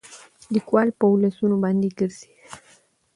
ليکوال په ولسونو باندې ګرځي